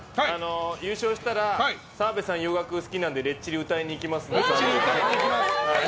優勝したら澤部さん、洋楽が好きなのでレッチリ歌いに行きますので。